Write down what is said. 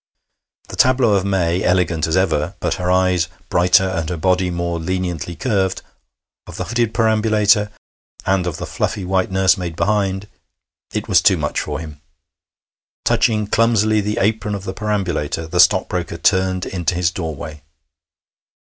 The tableau of May, elegant as ever, but her eyes brighter and her body more leniently curved, of the hooded perambulator, and of the fluffy white nursemaid behind it was too much for him. Touching clumsily the apron of the perambulator, the stockbroker turned into his doorway.